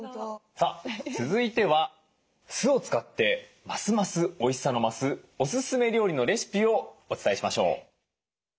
さあ続いては酢を使ってますますおいしさの増すおすすめ料理のレシピをお伝えしましょう。